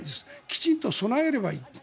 きちんと備えればいい。